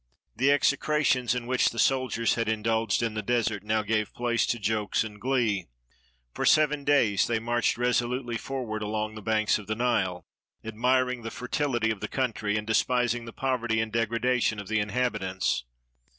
The execrations in which the soldiers had in dulged in the desert now gave place to jokes and glee. For seven days they marched resolutely forward along the banks of the Nile, admiring the fertility of the country, and despising the poverty and degradation of the inhabitants.